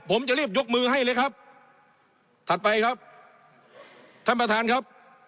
ผมจะรีบยกมือให้เลยครับถัดไปครับท่านประธานครับ